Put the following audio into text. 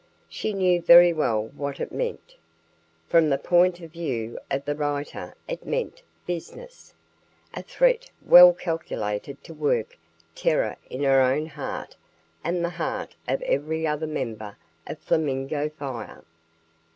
She knew very well what it meant. From the point of view of the writer it meant "business," a threat well calculated to work terror in her own heart and the heart of every other member of Flamingo Fire.